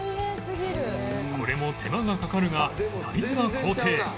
これも手間がかかるが大事な工程